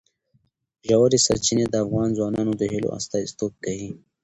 ژورې سرچینې د افغان ځوانانو د هیلو استازیتوب کوي.